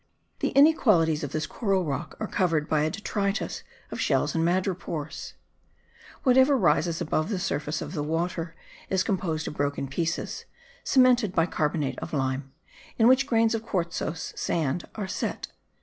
The inequalities of this coral rock are covered by a detritus of shells and madrepores. Whatever rises above the surface of the water is composed of broken pieces, cemented by carbonate of lime, in which grains of quartzose sand are set.